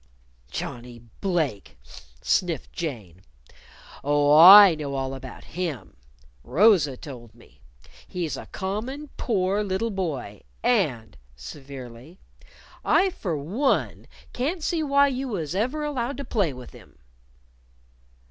"Johnnie Blake!" sniffed Jane. "Oh, I know all about him. Rosa told me. He's a common, poor little boy. And" severely "I, for one, can't see why you was ever allowed to play with him!...